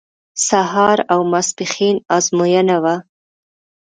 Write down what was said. سهار او ماسپښین ازموینه وه.